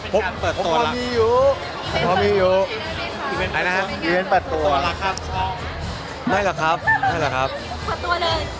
เป็นการเปิดตัว